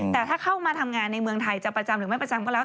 แต่ถ้าเข้ามาทำงานในเมืองไทยจะประจำหรือไม่ประจำก็แล้ว